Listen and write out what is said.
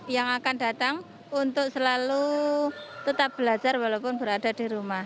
yang akan datang untuk selalu tetap belajar walaupun berada di rumah